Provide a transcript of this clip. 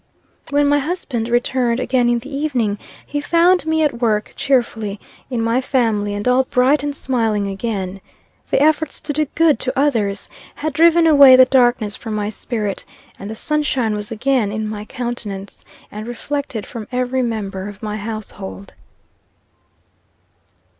When my husband returned again in the evening, he found me at work, cheerfully, in my family, and all bright and smiling again. The efforts to do good to others had driven away the darkness from my spirit, and the sunshine was again on my countenance, and reflected from every member of my household.